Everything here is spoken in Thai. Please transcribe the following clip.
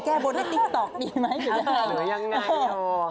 แก้บนให้ติ๊กต๊อกดีไหมครับ